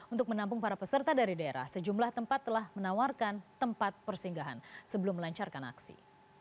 untuk menampung para peserta dari daerah sejumlah tempat telah menawarkan tempat persinggahan sebelum melancarkan aksi